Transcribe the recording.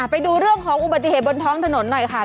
ไปดูเรื่องของอุบัติเหตุบนท้องถนนหน่อยค่ะ